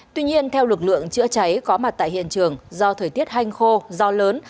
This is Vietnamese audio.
tuy nhiên theo lực lượng chữa cháy có mặt tại hiện trường do thời tiết hanh khô do lớn